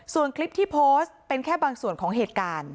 ส่วนคลิปที่โพสต์เป็นแค่บางส่วนของเหตุการณ์